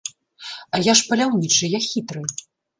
А я ж паляўнічы, я хітры.